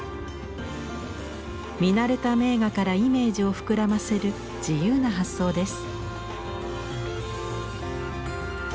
見慣れた名画からイメージを膨らませる自由な発想です。